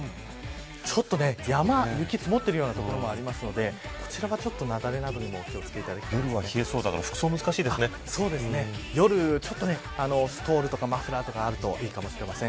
ちょっと山雪積もってるような所もあるのでこちらは雪崩などにもお気を付けて夜は冷えそうだから夜はストールとかマフラーとかあるといいかもしれません。